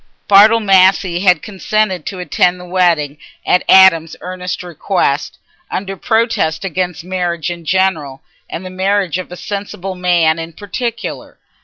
Bartle Massey had consented to attend the wedding at Adam's earnest request, under protest against marriage in general and the marriage of a sensible man in particular.